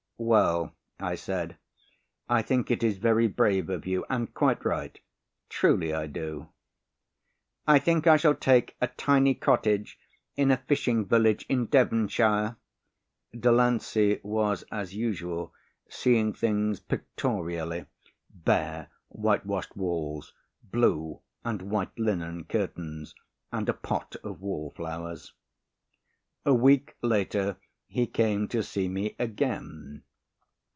"Well," I said, "I think it is very brave of you and quite right. Truly I do." "I think I shall take a tiny cottage in a fishing village in Devonshire," Delancey was as usual seeing things pictorially bare white washed walls, blue and white linen curtains and a pot of wall flowers. A week later he came to see me again.